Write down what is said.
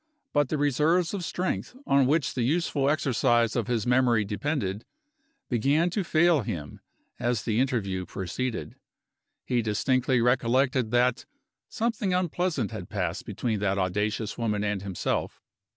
But the reserves of strength, on which the useful exercise of his memory depended, began to fail him as the interview proceeded. He distinctly recollected that "something unpleasant had passed between that audacious woman and himself."